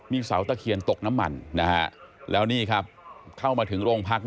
มีเสาตะเคียนตกน้ำมันแล้วนี่ครับเข้ามาถึงโรงพัก